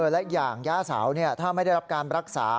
และอย่างย่าเสาถ้าไม่ได้รับการรักษา